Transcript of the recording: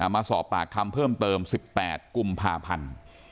มาสอบปากคำเพิ่มเติม๑๘กุมภาพันธ์